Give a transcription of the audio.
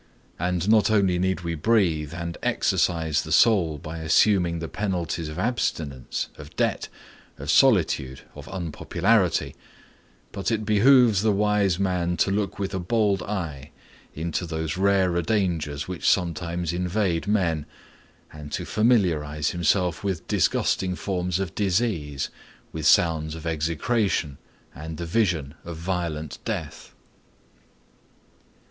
And not only need we breathe and exercise the soul by assuming the penalties of abstinence, of debt, of solitude, of unpopularity,—but it behooves the wise man to look with a bold eye into those rarer dangers which sometimes invade men, and to familiarize himself with disgusting forms of disease, with sounds of execration, and the vision of violent death.